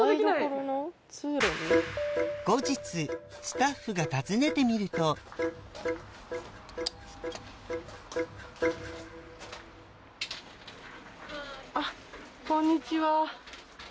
スタッフが訪ねてみるとこんにちは。